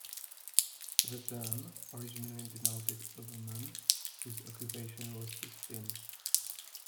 The term originally denoted a woman whose occupation was to spin.